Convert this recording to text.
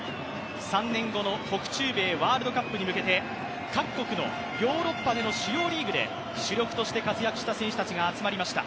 ３年後の北中米ワールドカップに向けて、各国のヨーロッパでの主要リーグで主力として活躍した選手たちが集まりました。